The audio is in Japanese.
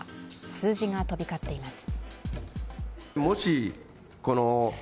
数字が飛び交っています。